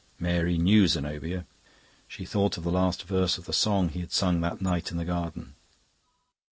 Mary knew Zenobia. She thought of the last verse of the song he had sung that night in the garden.